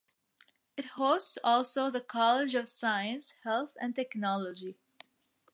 It hosts also the college of science, health and Technology.